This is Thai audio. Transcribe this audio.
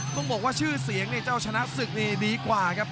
ต้องบอกว่าชื่อเสียงเนี่ยเจ้าชนะศึกนี่ดีกว่าครับ